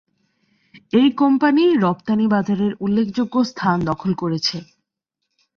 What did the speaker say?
এই কোম্পানি রপ্তানি বাজারে উল্লেখযোগ্য স্থান দখল করেছে।